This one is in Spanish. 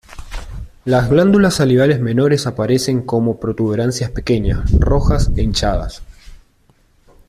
Las glándulas salivales menores aparecen como protuberancias pequeñas, rojas e hinchadas.